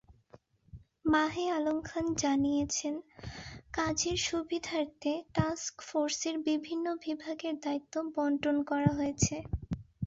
মাহে আলম খান জানিয়েছেন, কাজের সুবিধার্থে টাস্কফোর্সের বিভিন্ন বিভাগের দায়িত্ব বণ্টন করা হয়েছে।